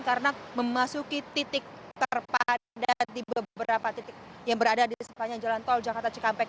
karena memasuki titik terpadat di beberapa titik yang berada di sepanjang jalan tol jakarta cikampek